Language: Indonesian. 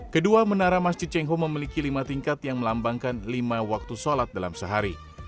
kedua menara masjid cengho memiliki lima tingkat yang melambangkan lima waktu sholat dalam sehari